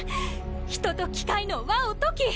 人と機械の和を説き。